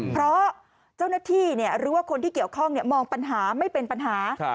เพราะเจ้าหน้าที่หรือว่าคนที่เกี่ยวข้องมองปัญหาไม่เป็นปัญหา